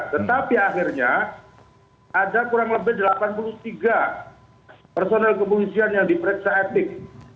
tetapi akhirnya ada kurang lebih delapan puluh tiga personel kepolisian yang diperiksa etik